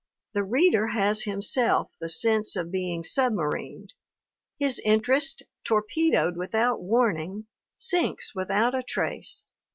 The reader has himself the sense of being submarined; his interest, torpedoed without warning, sinks without a trace.